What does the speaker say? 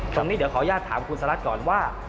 ตรงนี้เดี๋ยวขออนุญาตถามคุณสลัดก่อนว่า